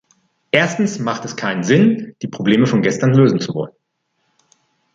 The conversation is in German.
Erstens macht es keinen Sinn, die Probleme von gestern lösen zu wollen.